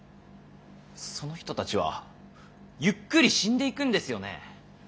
その人たちはゆっくり死んでいくんですよね。